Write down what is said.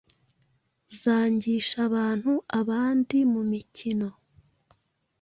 zangisha abantu abandi mumikino